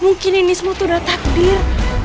mungkin ini semua tuh udah takdir